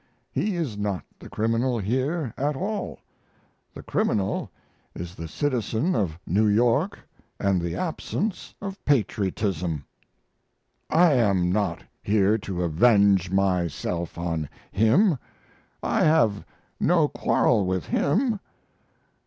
He is not the criminal here at all. The criminal is the citizen of New York and the absence of patriotism. I am not here to avenge myself on him. I have no quarrel with him.